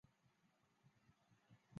南直隶辛卯乡试。